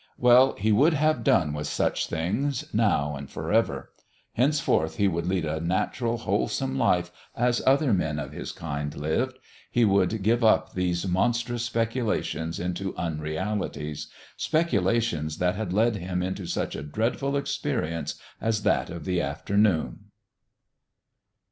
Well, he would have done with such things now and forever; henceforth he would lead a natural, wholesome life as other men of his kind lived; he would give up these monstrous speculations into unrealities speculations that had led him into such a dreadful experience as that of the afternoon.